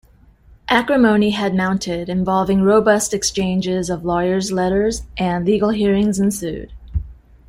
Acrimony had mounted, involving robust exchanges of lawyers' letters, and legal hearings ensued.